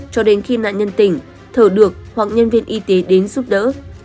cho đến khi nạn nhân tỉnh thở được hoặc nhân viên y tế đến giúp đỡ